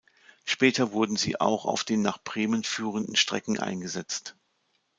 Später wurden sie auch auf den nach Bremen führenden Strecken eingesetzt.